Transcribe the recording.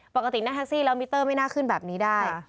ปกตินั่งแท็กซี่แล้วมิเตอร์ไม่น่าขึ้นแบบนี้ได้